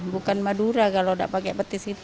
bukan madura kalau gak pake petis itu